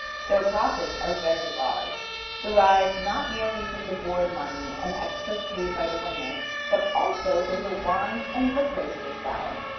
Their profits are very large, derived not merely from the board money and extras paid by the women, but also from the wines and liquors they sell.